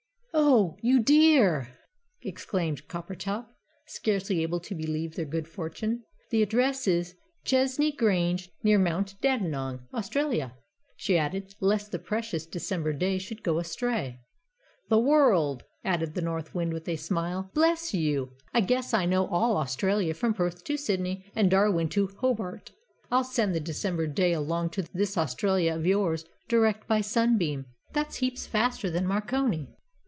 "Oh, you dear!" exclaimed Coppertop, scarcely able to believe their good fortune; "the address is: 'Chesney Grange, near Mount Dandenong, Australia,'" she added, lest the precious December day should go astray. "The World," added the North Wind, with a smile. "Bless you, I guess I know all Australia from Perth to Sydney, and Darwin to Hobart. I'll send the December day along to this Australia of yours, direct by Sunbeam that's heaps faster than Marconi."